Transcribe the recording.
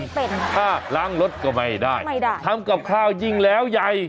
ถ้าล้างรถก็ไม่ได้ไม่ได้ทำกับข้าวยิ่งแล้วใหญ่